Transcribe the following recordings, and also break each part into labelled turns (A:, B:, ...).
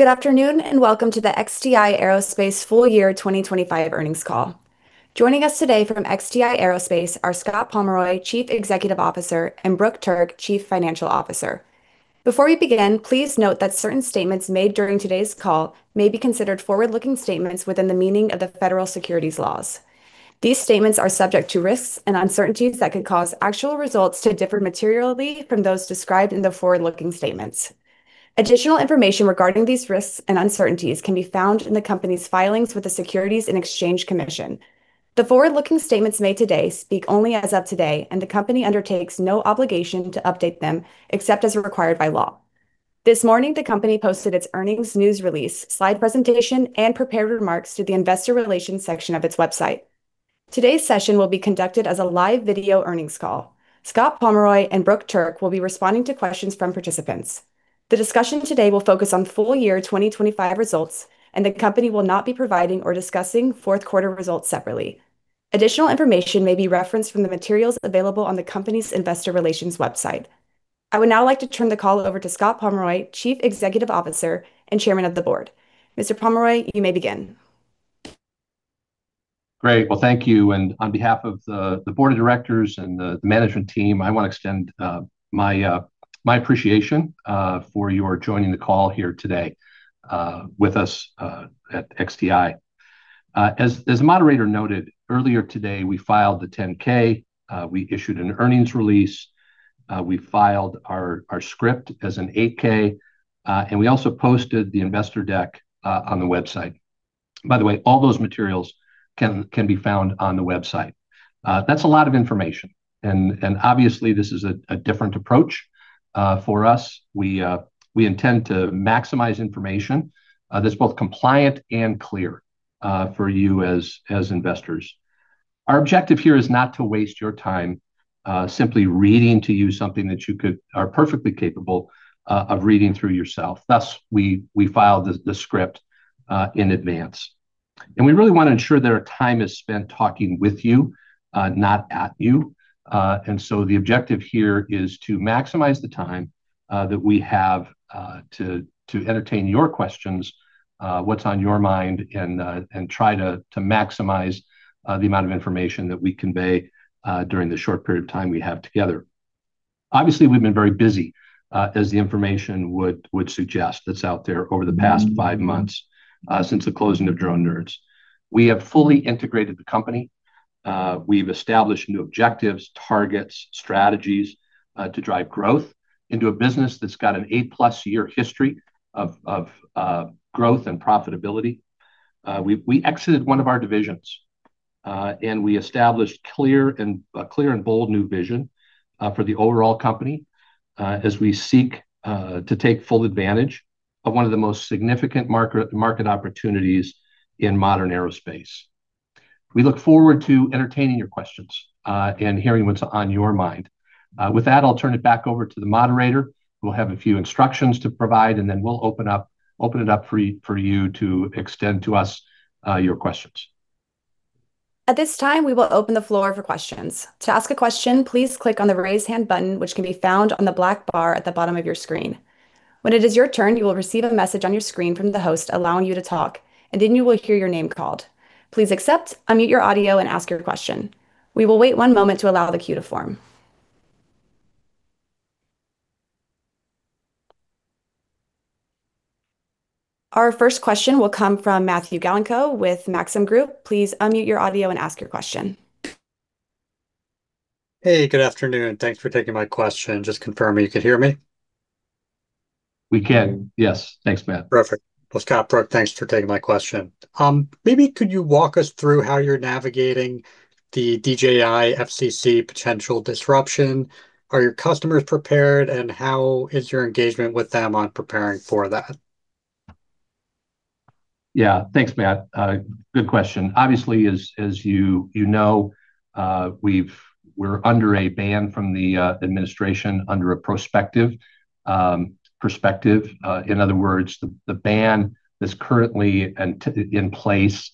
A: Good afternoon, and welcome to the XTI Aerospace full year 2025 earnings call. Joining us today from XTI Aerospace are Scott Pomeroy, Chief Executive Officer, and Brooke Turk, Chief Financial Officer. Before we begin, please note that certain statements made during today's call may be considered forward-looking statements within the meaning of the federal securities laws. These statements are subject to risks and uncertainties that could cause actual results to differ materially from those described in the forward-looking statements. Additional information regarding these risks and uncertainties can be found in the company's filings with the Securities and Exchange Commission. The forward-looking statements made today speak only as of today, and the company undertakes no obligation to update them except as required by law. This morning, the company posted its earnings news release, slide presentation, and prepared remarks to the investor relations section of its website. Today's session will be conducted as a live video earnings call. Scott Pomeroy and Brooke Turk will be responding to questions from participants. The discussion today will focus on full year 2025 results, and the company will not be providing or discussing fourth quarter results separately. Additional information may be referenced from the materials available on the company's investor relations website. I would now like to turn the call over to Scott Pomeroy, Chief Executive Officer and Chairman of the Board. Mr. Pomeroy, you may begin.
B: Great. Well, thank you. On behalf of the board of directors and the management team, I want to extend my appreciation for your joining the call here today with us at XTI. As the moderator noted, earlier today we filed the 10-K. We issued an earnings release. We filed our script as an 8-K. We also posted the investor deck on the website. By the way, all those materials can be found on the website. That's a lot of information, and obviously this is a different approach for us. We intend to maximize information that's both compliant and clear for you as investors. Our objective here is not to waste your time simply reading to you something that you are perfectly capable of reading through yourself, thus we filed the script in advance. We really want to ensure that our time is spent talking with you, not at you. The objective here is to maximize the time that we have to entertain your questions, what's on your mind, and try to maximize the amount of information that we convey during the short period of time we have together. Obviously, we've been very busy, as the information would suggest that's out there over the past five months since the closing of Drone Nerds. We have fully integrated the company. We've established new objectives, targets, strategies to drive growth into a business that's got an 8+ year history of growth and profitability. We exited one of our divisions, and we established a clear and bold new vision for the overall company as we seek to take full advantage of one of the most significant market opportunities in modern aerospace. We look forward to entertaining your questions and hearing what's on your mind. With that, I'll turn it back over to the moderator, who will have a few instructions to provide, and then we'll open it up for you to extend to us your questions.
A: At this time, we will open the floor for questions. To ask a question, please click on the Raise Hand button, which can be found on the black bar at the bottom of your screen. When it is your turn, you will receive a message on your screen from the host allowing you to talk, and then you will hear your name called. Please accept, unmute your audio, and ask your question. We will wait one moment to allow the queue to form. Our first question will come from Matthew Galinko with Maxim Group. Please unmute your audio and ask your question.
C: Hey, good afternoon. Thanks for taking my question. Just confirm you can hear me.
B: We can. Yes. Thanks, Matt.
C: Perfect. Well, Scott, Brooke, thanks for taking my question. Maybe could you walk us through how you're navigating the DJI FCC potential disruption? Are your customers prepared, and how is your engagement with them on preparing for that?
B: Yeah. Thanks, Matt. Good question. Obviously, as you know, we're under a ban from the administration under a prospective perspective. In other words, the ban that's currently in place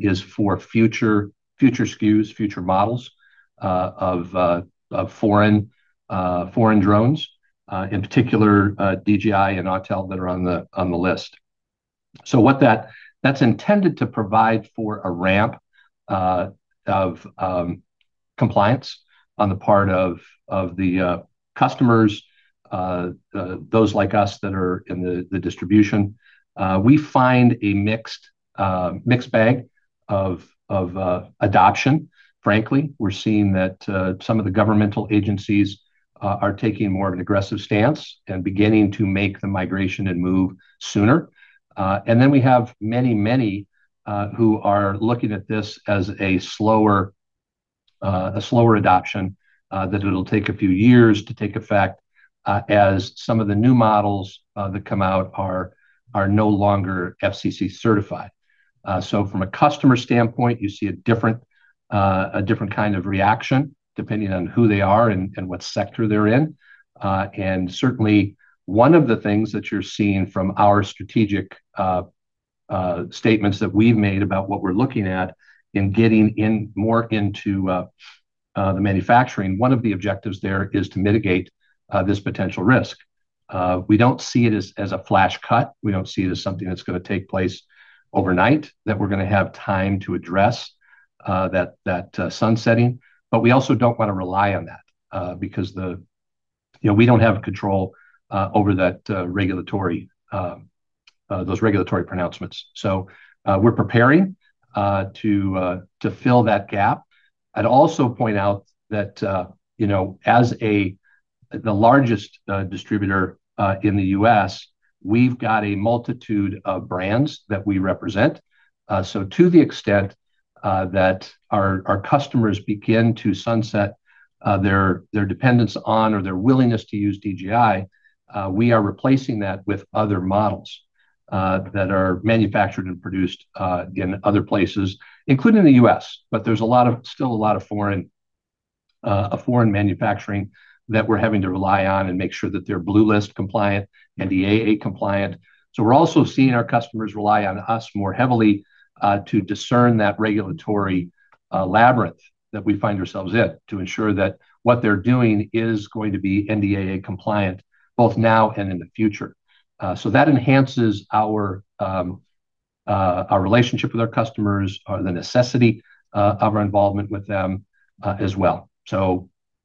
B: is for future SKUs, future models of foreign drones. In particular, DJI and Autel that are on the list. So that's intended to provide for a ramp of compliance on the part of the customers, those like us that are in the distribution. We find a mixed bag of adoption, frankly. We're seeing that some of the governmental agencies are taking more of an aggressive stance and beginning to make the migration and move sooner. Then we have many who are looking at this as a slower adoption, that it'll take a few years to take effect as some of the new models that come out are no longer FCC certified. From a customer standpoint, you see a different kind of reaction depending on who they are and what sector they're in. Certainly one of the things that you're seeing from our strategic statements that we've made about what we're looking at in getting more into the manufacturing. One of the objectives there is to mitigate this potential risk. We don't see it as a flash cut. We don't see it as something that's going to take place overnight, that we're going to have time to address that sunsetting. We also don't want to rely on that because we don't have control over those regulatory pronouncements. We're preparing to fill that gap. I'd also point out that as the largest distributor in the U.S., we've got a multitude of brands that we represent. To the extent that our customers begin to sunset their dependence on or their willingness to use DJI, we are replacing that with other models that are manufactured and produced in other places, including the U.S. There's still a lot of foreign manufacturing that we're having to rely on and make sure that they're Blue UAS compliant, NDAA compliant. We're also seeing our customers rely on us more heavily, to discern that regulatory labyrinth that we find ourselves in to ensure that what they're doing is going to be NDAA compliant both now and in the future. That enhances our relationship with our customers or the necessity of our involvement with them as well.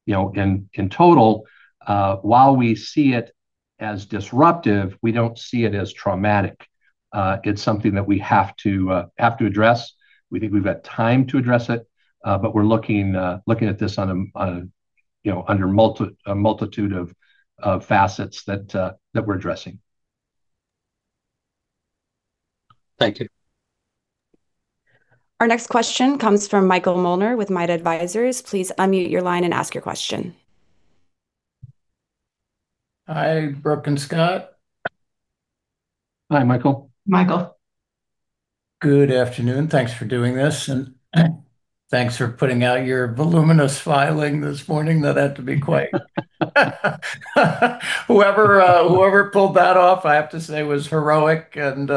B: In total, while we see it as disruptive, we don't see it as traumatic. It's something that we have to address. We think we've got time to address it, but we're looking at this under a multitude of facets that we're addressing.
C: Thank you.
A: Our next question comes from Michael Molnar with MiG Advisors. Please unmute your line and ask your question.
D: Hi, Brooke and Scott.
B: Hi, Michael.
A: Michael.
D: Good afternoon. Thanks for doing this, and thanks for putting out your voluminous filing this morning. That had to be heroic. Whoever pulled that off, I have to say, was heroic and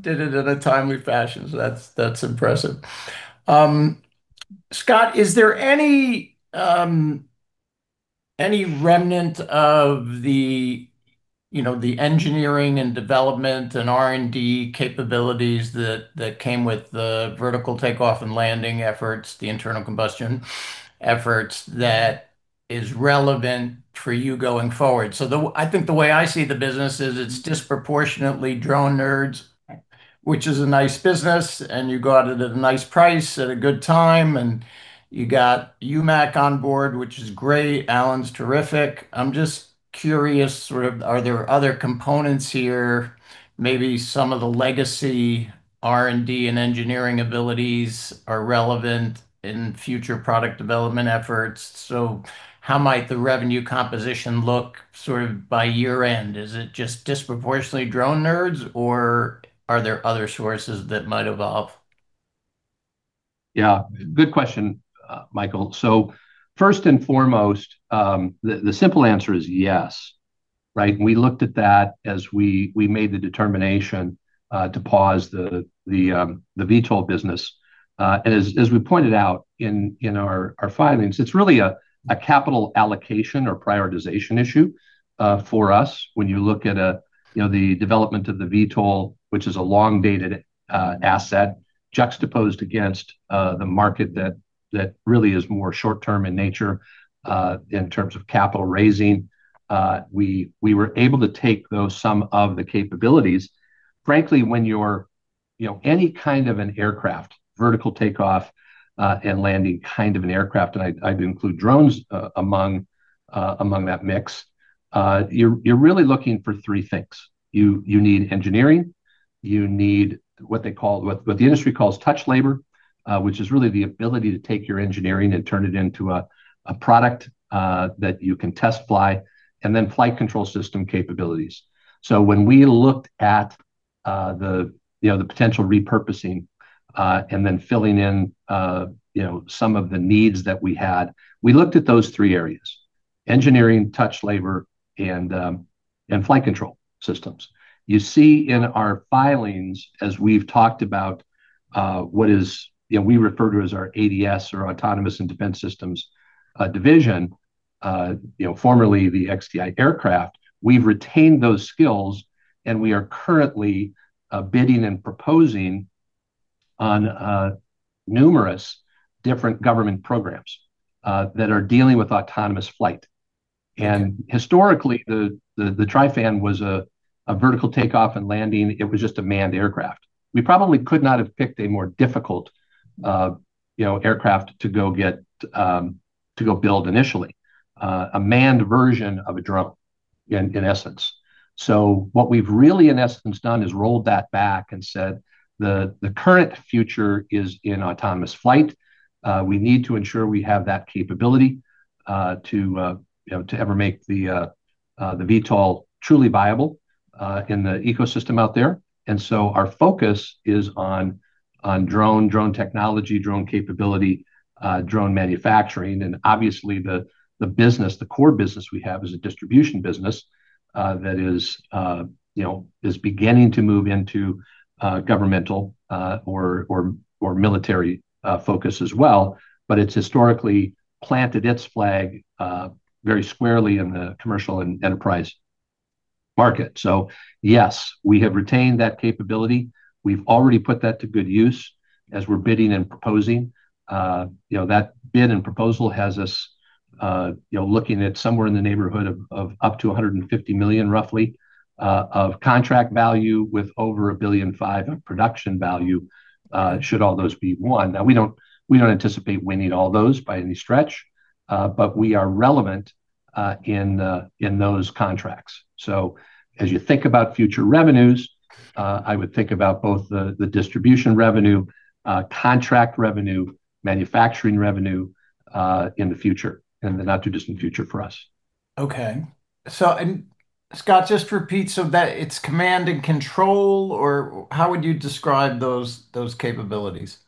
D: did it in a timely fashion. That's impressive. Scott, is there any remnant of the engineering and development and R&D capabilities that came with the vertical takeoff and landing efforts, the internal combustion efforts, that is relevant for you going forward? I think the way I see the business is it's disproportionately Drone Nerds, which is a nice business, and you got it at a nice price at a good time, and you got UMAC on board, which is great. Alan's terrific. I'm just curious, are there other components here? Maybe some of the legacy R&D and engineering abilities are relevant in future product development efforts. How might the revenue composition look by year-end? Is it just disproportionately Drone Nerds, or are there other sources that might evolve?
B: Yeah, good question, Michael. First and foremost, the simple answer is yes, right? We looked at that as we made the determination to pause the VTOL business. As we pointed out in our filings, it's really a capital allocation or prioritization issue for us when you look at the development of the VTOL, which is a long-dated asset juxtaposed against the market that really is more short-term in nature in terms of capital raising. We were able to take, though, some of the capabilities. Frankly, any kind of an aircraft, vertical takeoff and landing kind of an aircraft, and I'd include drones among that mix, you're really looking for three things. You need engineering, you need what the industry calls touch labor, which is really the ability to take your engineering and turn it into a product that you can test fly, and then flight control system capabilities. When we looked at the potential repurposing and then filling in some of the needs that we had, we looked at those three areas, engineering, touch labor, and flight control systems. You see in our filings, as we've talked about what we refer to as our ADS or Autonomous Defense Systems division, formerly the XTI Aircraft, we've retained those skills, and we are currently bidding and proposing on numerous different government programs that are dealing with autonomous flight. Historically, the TriFan was a vertical takeoff and landing. It was just a manned aircraft. We probably could not have picked a more difficult aircraft to go build initially, a manned version of a drone, in essence. What we've really, in essence, done is rolled that back and said the current future is in autonomous flight. We need to ensure we have that capability to ever make the VTOL truly viable in the ecosystem out there. Our focus is on drone technology, drone capability, drone manufacturing, and obviously the core business we have is a distribution business. That is beginning to move into governmental or military focus as well, but it's historically planted its flag very squarely in the commercial and enterprise market. Yes, we have retained that capability. We've already put that to good use as we're bidding and proposing. That bid and proposal has us looking at somewhere in the neighborhood of up to $150 million, roughly, of contract value with over $1.5 billion of production value, should all those be won. Now, we don't anticipate winning all those by any stretch, but we are relevant in those contracts. As you think about future revenues, I would think about both the distribution revenue, contract revenue, manufacturing revenue in the future, in the not too distant future for us.
D: Okay. Scott, just repeat so that it's command and control, or how would you describe those capabilities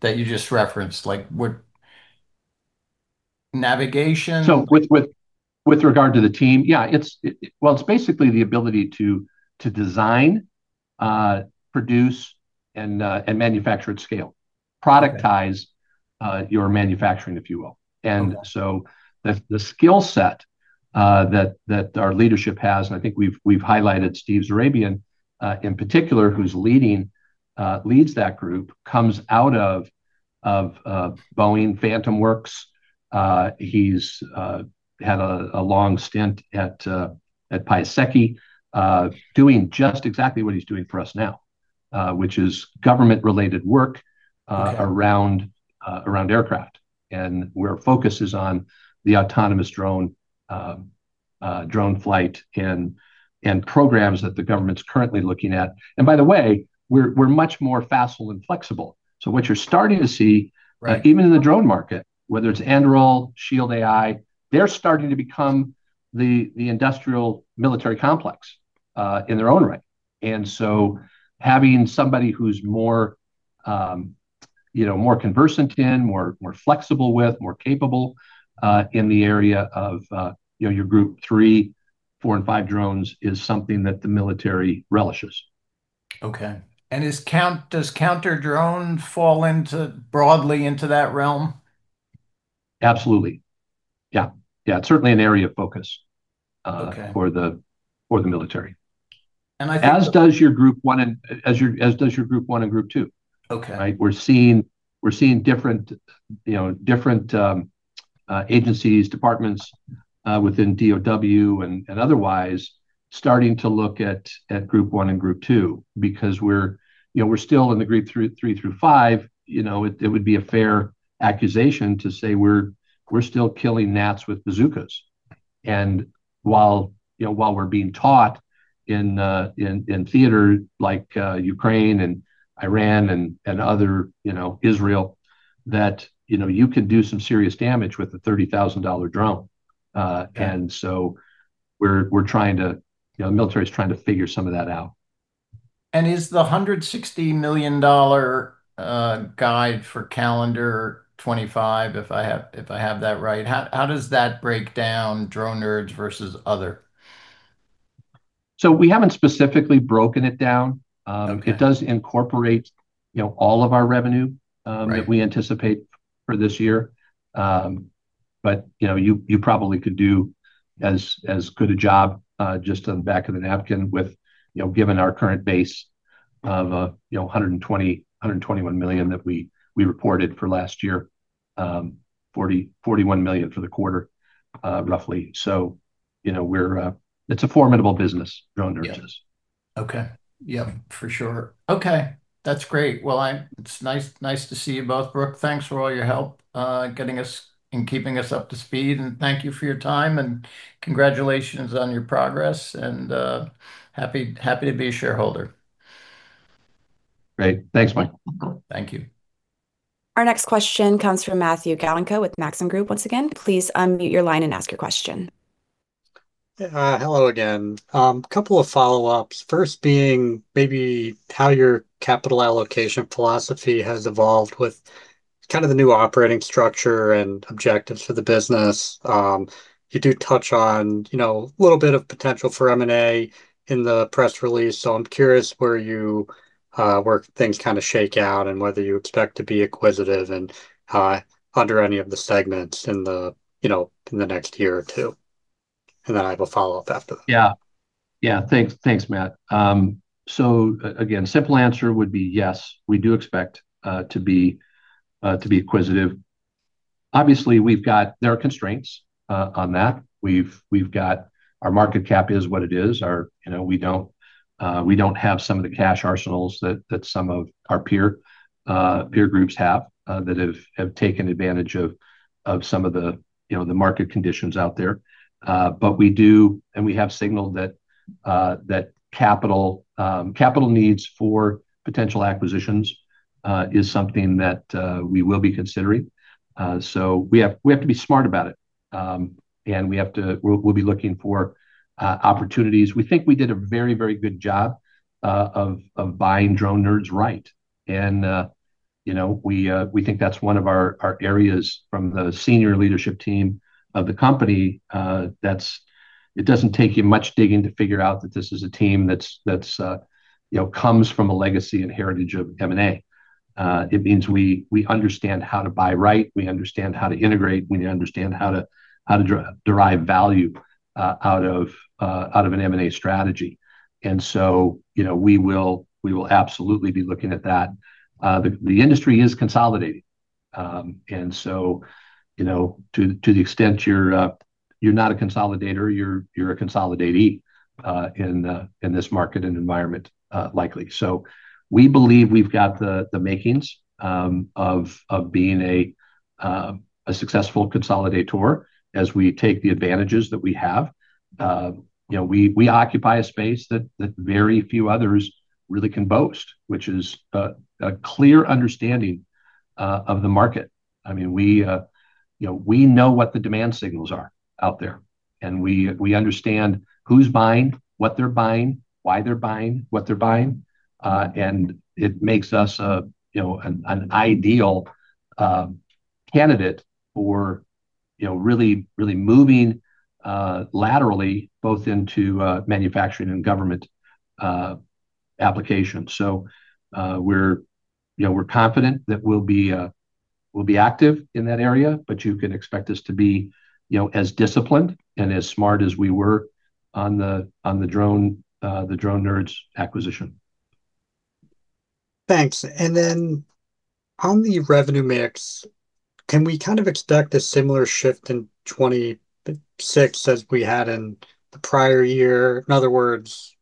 D: that you just referenced? Like what, navigation?
B: With regard to the team, yeah, well, it's basically the ability to design, produce and manufacture at scale. Productize your manufacturing, if you will. The skill set that our leadership has, and I think we've highlighted Steve Zourabian in particular, who leads that group, comes out of Boeing Phantom Works. He's had a long stint at Piasecki doing just exactly what he's doing for us now, which is government-related work.
D: Okay
B: Around aircraft. Where focus is on the autonomous drone flight and programs that the government's currently looking at. By the way, we're much more facile and flexible. What you're starting to see.
D: Right
B: even in the drone market, whether it's Anduril, Shield AI, they're starting to become the industrial military complex in their own right. Having somebody who's more conversant in, more flexible with, more capable in the area of your Group 3, 4 and 5 drones is something that the military relishes.
D: Okay. Does counter drone fall broadly into that realm?
B: Absolutely. Yeah. It's certainly an area of focus.
D: Okay
B: for the military. As does your Group 1 and Group 2.
D: Okay.
B: We're seeing different agencies, departments within DoD and otherwise starting to look at Group 1 and Group 2 because we're still in the Group 3 through Group 5. It would be a fair accusation to say we're still killing gnats with bazookas. While we're being taught in theater, like Ukraine and Iran and other, Israel, that you can do some serious damage with a $30,000 drone.
D: Yeah.
B: The military's trying to figure some of that out.
D: Is the $160 million guide for calendar 2025, if I have that right, how does that break down Drone Nerds versus other?
B: We haven't specifically broken it down.
D: Okay.
B: It does incorporate all of our revenue.
D: Right
B: that we anticipate for this year. You probably could do as good a job just on the back of a napkin given our current base of $121 million that we reported for last year, $41 million for the quarter, roughly. It's a formidable business, Drone Nerds is.
D: Yeah. Okay. Yep, for sure. Okay, that's great. Well, it's nice to see you both. Brooke, thanks for all your help in keeping us up to speed. Thank you for your time, and congratulations on your progress and happy to be a shareholder.
B: Great. Thanks, Mike.
D: Thank you.
A: Our next question comes from Matthew Galinko with Maxim Group once again. Please unmute your line and ask your question.
C: Hello again. Couple of follow-ups. First being maybe how your capital allocation philosophy has evolved with kind of the new operating structure and objectives for the business. You do touch on a little bit of potential for M&A in the press release. So I'm curious where things kind of shake out and whether you expect to be acquisitive under any of the segments in the next year or two. I have a follow-up after that.
B: Yeah. Thanks, Matt. Again, simple answer would be yes, we do expect to be acquisitive. Obviously, there are constraints on that. Our market cap is what it is. We don't have some of the cash arsenals that some of our peer groups have, that have taken advantage of some of the market conditions out there. But we do, and we have signaled that capital needs for potential acquisitions is something that we will be considering. We have to be smart about it. We'll be looking for opportunities. We think we did a very, very good job of buying Drone Nerds right. We think that's one of our areas from the senior leadership team of the company. It doesn't take you much digging to figure out that this is a team that comes from a legacy and heritage of M&A. It means we understand how to buy right, we understand how to integrate, we understand how to derive value out of an M&A strategy. We will absolutely be looking at that. The industry is consolidating. To the extent you're not a consolidator, you're a consolidatee in this market and environment, likely. We believe we've got the makings of being a successful consolidator as we take the advantages that we have. We occupy a space that very few others really can boast, which is a clear understanding of the market. We know what the demand signals are out there, and we understand who's buying, what they're buying, why they're buying, what they're buying. It makes us an ideal candidate for really moving laterally both into manufacturing and government applications. We're confident that we'll be active in that area, but you can expect us to be as disciplined and as smart as we were on the Drone Nerds acquisition.
C: Thanks. On the revenue mix, can we kind of expect a similar shift in 2026 as we had in the prior year? In other words,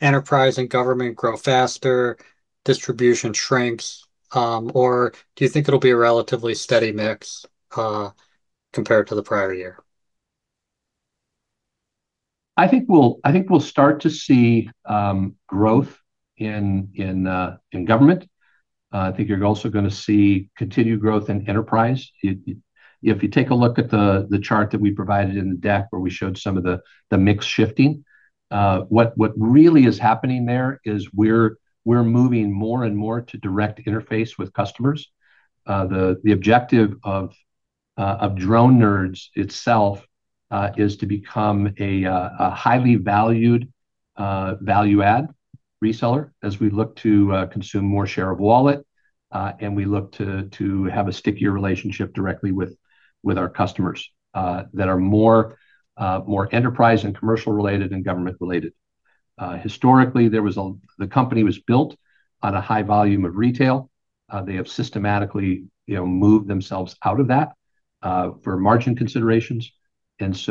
C: enterprise and government grow faster, distribution shrinks? Do you think it'll be a relatively steady mix compared to the prior year?
B: I think we'll start to see growth in government. I think you're also going to see continued growth in enterprise. If you take a look at the chart that we provided in the deck where we showed some of the mix shifting, what really is happening there is we're moving more and more to direct interface with customers. The objective of Drone Nerds itself is to become a highly valued value add reseller as we look to consume more share of wallet. We look to have a stickier relationship directly with our customers that are more enterprise and commercial related and government related. Historically, the company was built on a high volume of retail. They have systematically moved themselves out of that for margin considerations. As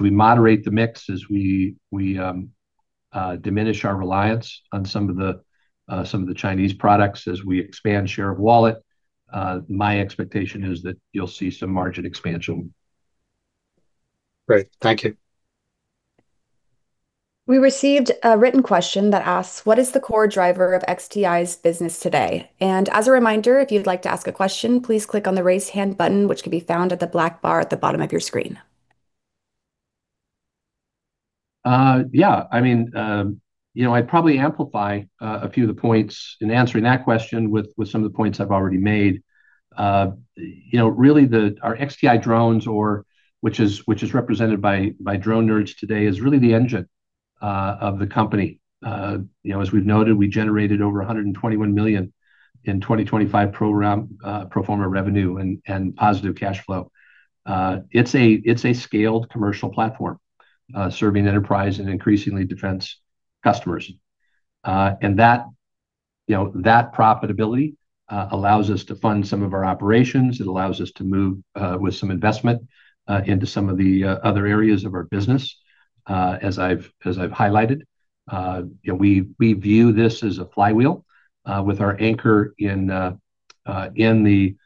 B: we moderate the mix, as we diminish our reliance on some of the Chinese products, as we expand share of wallet, my expectation is that you'll see some margin expansion.
C: Great. Thank you.
A: We received a written question that asks, what is the core driver of XTI's business today? As a reminder, if you'd like to ask a question, please click on the raise hand button, which can be found at the black bar at the bottom of your screen.
B: Yeah. I'd probably amplify a few of the points in answering that question with some of the points I've already made. Really, our XTI Drones, which is represented by Drone Nerds today, is really the engine of the company. As we've noted, we generated over $121 million in 2025 pro forma revenue and positive cash flow. It's a scaled commercial platform, serving enterprise and increasingly defense customers. That profitability allows us to fund some of our operations. It allows us to move with some investment into some of the other areas of our business, as I've highlighted. We view this as a flywheel, with our anchor in the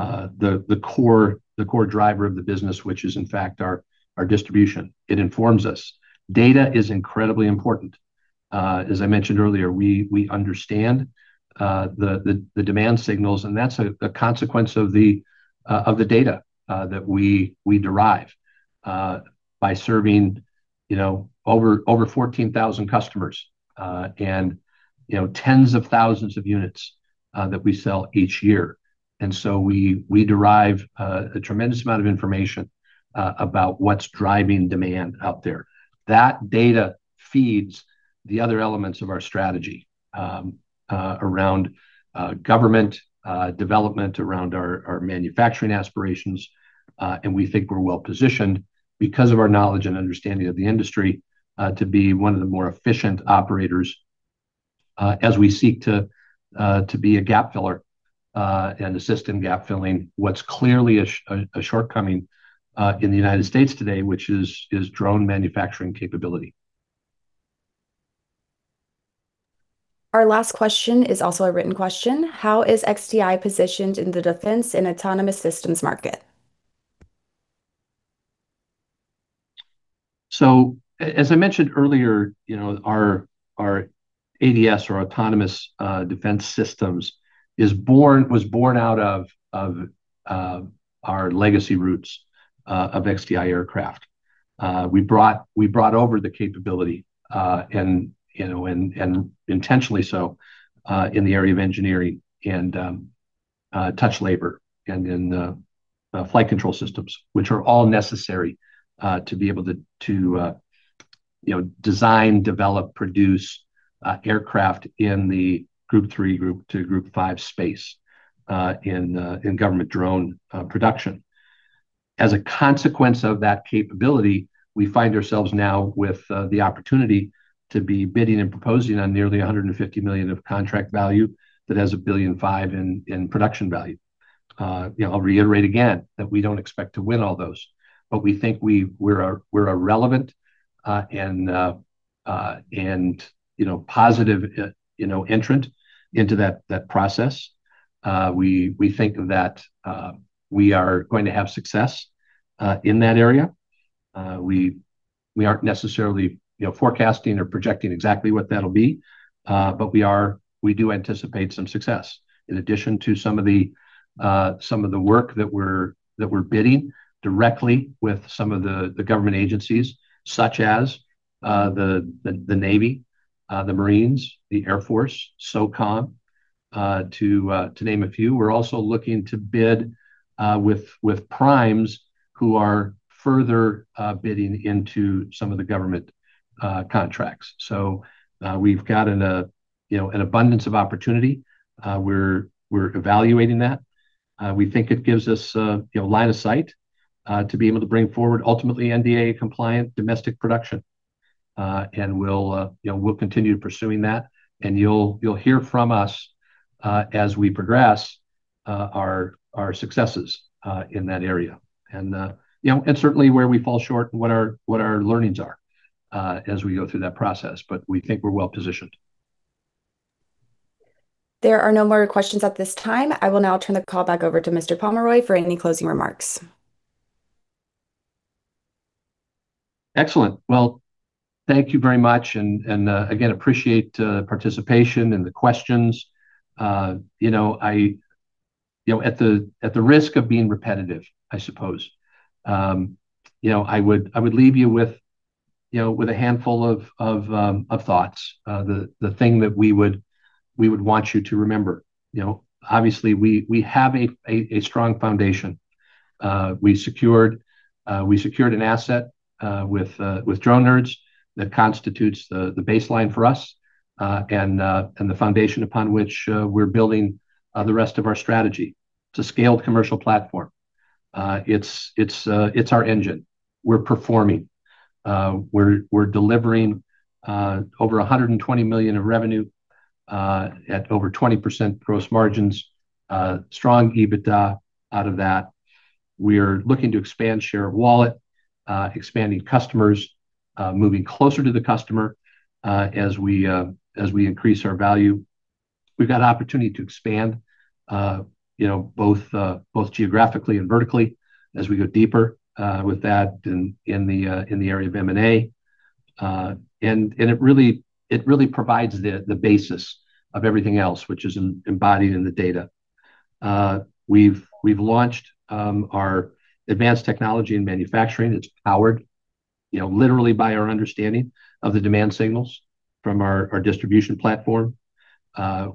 B: core driver of the business, which is in fact our distribution. It informs us. Data is incredibly important. As I mentioned earlier, we understand the demand signals, and that's a consequence of the data that we derive by serving over 14,000 customers, tens of thousands of units that we sell each year. We derive a tremendous amount of information about what's driving demand out there. That data feeds the other elements of our strategy around government development, around our manufacturing aspirations. We think we're well-positioned because of our knowledge and understanding of the industry, to be one of the more efficient operators, as we seek to be a gap filler, and assist in gap filling what's clearly a shortcoming in the United States today, which is drone manufacturing capability.
A: Our last question is also a written question. How is XTI positioned in the defense and autonomous systems market?
B: As I mentioned earlier, our ADS or Autonomous Defense Systems was born out of our legacy roots of XTI Aircraft. We brought over the capability, and intentionally so, in the area of engineering and touch labor and in flight control systems, which are all necessary to be able to design, develop, produce aircraft in the Group 3-Group 5 space in government drone production. As a consequence of that capability, we find ourselves now with the opportunity to be bidding and proposing on nearly $150 million of contract value that has $1.5 billion in production value. I'll reiterate again that we don't expect to win all those, but we think we're a relevant and positive entrant into that process. We think that we are going to have success in that area. We aren't necessarily forecasting or projecting exactly what that'll be, but we do anticipate some success. In addition to some of the work that we're bidding directly with some of the government agencies such as the Navy, the Marines, the Air Force, SOCOM, to name a few. We're also looking to bid with primes who are further bidding into some of the government contracts. We've got an abundance of opportunity. We're evaluating that. We think it gives us line of sight to be able to bring forward, ultimately, NDAA-compliant domestic production. We'll continue pursuing that, and you'll hear from us as we progress our successes in that area. Certainly where we fall short and what our learnings are as we go through that process, but we think we're well-positioned.
A: There are no more questions at this time. I will now turn the call back over to Mr. Pomeroy for any closing remarks.
B: Excellent. Well, thank you very much, and again, appreciate the participation and the questions. At the risk of being repetitive, I suppose, I would leave you with a handful of thoughts. The thing that we would want you to remember. Obviously, we have a strong foundation. We secured an asset with Drone Nerds that constitutes the baseline for us, and the foundation upon which we're building the rest of our strategy. It's a scaled commercial platform. It's our engine. We're performing. We're delivering over $120 million of revenue at over 20% gross margins. Strong EBITDA out of that. We're looking to expand share of wallet, expanding customers, moving closer to the customer as we increase our value. We've got opportunity to expand both geographically and vertically as we go deeper with that in the area of M&A. It really provides the basis of everything else, which is embodied in the data. We've launched our advanced technology and manufacturing. It's powered literally by our understanding of the demand signals from our distribution platform.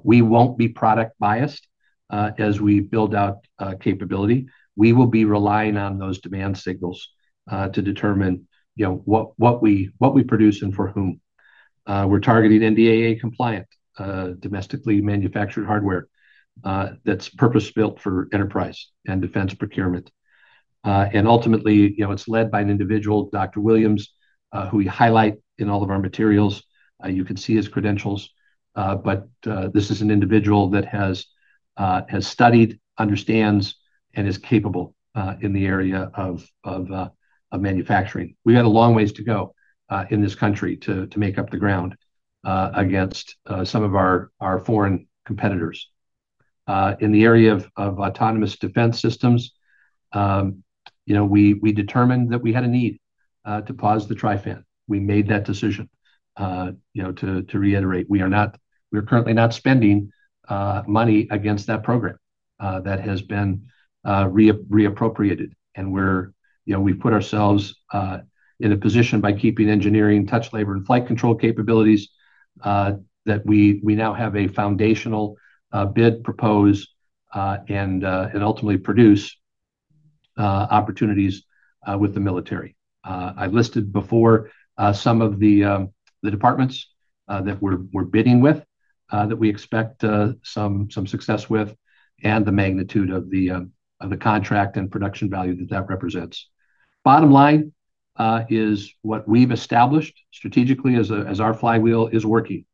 B: We won't be product-biased as we build out capability. We will be relying on those demand signals to determine what we produce and for whom. We're targeting NDAA-compliant, domestically manufactured hardware that's purpose-built for enterprise and defense procurement. Ultimately, it's led by an individual, Dr. Williams, who we highlight in all of our materials. You can see his credentials. This is an individual that has studied, understands, and is capable in the area of manufacturing. We got a long ways to go in this country to make up the ground against some of our foreign competitors. In the area of Autonomous Defense Systems, we determined that we had a need to pause the TriFan. We made that decision. To reiterate, we are currently not spending money against that program. That has been reappropriated, and we've put ourselves in a position by keeping engineering, touch labor, and flight control capabilities that we now have a foundational bid to propose, and ultimately produce opportunities with the military. I listed before some of the departments that we're bidding with, that we expect some success with, and the magnitude of the contract and production value that that represents. Bottom line is what we've established strategically as our flywheel is working.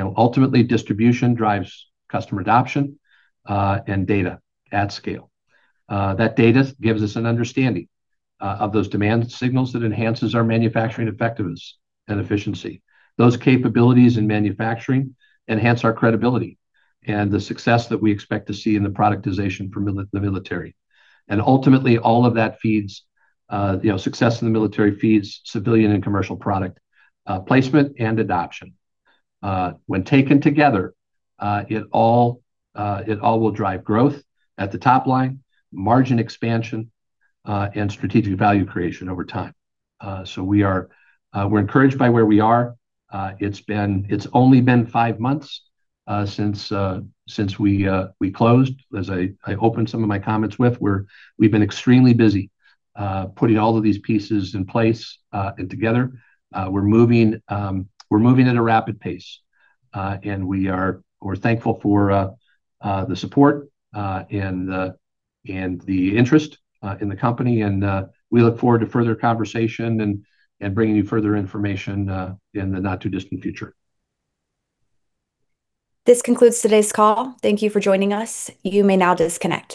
B: Ultimately, distribution drives customer adoption and data at scale. That data gives us an understanding of those demand signals that enhances our manufacturing effectiveness and efficiency. Those capabilities in manufacturing enhance our credibility and the success that we expect to see in the productization for the military. Ultimately, all of that feeds success in the military, feeds civilian and commercial product placement and adoption. When taken together, it all will drive growth at the top line, margin expansion, and strategic value creation over time. We're encouraged by where we are. It's only been five months since we closed. As I opened some of my comments with, we've been extremely busy putting all of these pieces in place and together. We're moving at a rapid pace. We're thankful for the support and the interest in the company, and we look forward to further conversation and bringing you further information in the not-too-distant future.
A: This concludes today's call. Thank you for joining us. You may now disconnect.